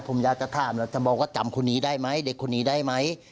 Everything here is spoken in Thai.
ผมอยากจะถามแล้วจะบอกว่าจำคนนี้ได้ไหมเด็กคนนี้ได้ไหม